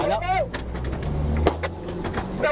แค่กันสุดสวยดี